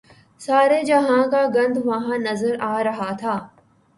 سارے جہان کا گند وہاں نظر آ رہا تھا۔